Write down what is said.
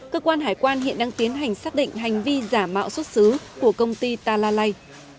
cơ quan hải quan hiện đang tiến hành xác định hành vi giả mạo xuất xứ của công ty talalay